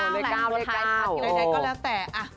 เลขก็แล้วแต่